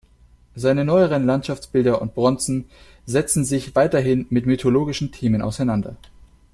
Seine neueren Landschaftsbilder und Bronzen setzen sich weiterhin mit mythologischen Themen auseinander.